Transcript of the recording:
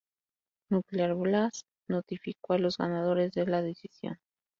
Nuclear Blast notificó a los ganadores de la decisión.